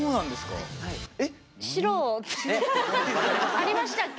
ありましたっけ？